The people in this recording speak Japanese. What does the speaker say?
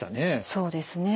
そうですね。